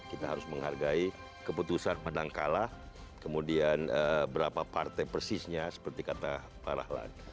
kita harus menghargai keputusan menang kalah kemudian berapa partai persisnya seperti kata pak rahlan